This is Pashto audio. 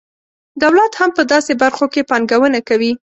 دولت هم په داسې برخو کې پانګونه کوي.